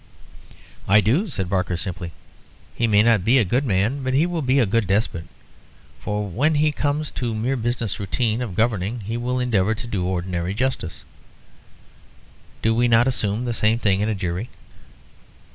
"I do," said Barker, simply. "He may not be a good man. But he will be a good despot. For when he comes to a mere business routine of government he will endeavour to do ordinary justice. Do we not assume the same thing in a jury?"